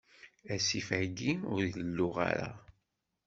Asif-ayi ur iluɣ ara.